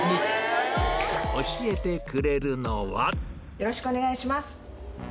よろしくお願いします